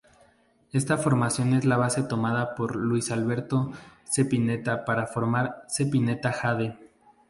Esta formación es la base tomada por Luis Alberto Spinetta para formar Spinetta Jade.